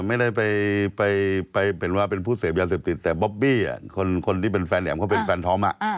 ไม่ได้ไปเป็นว่าเป็นผู้เสพยาเสพติดแต่บ๊อบบี้คนที่เป็นแฟนแอ๋มเขาเป็นแฟนทอม